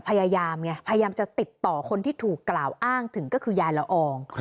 พยายามไงพยายามจะติดต่อคนที่ถูกกล่าวอ้างถึงก็คือยายละออง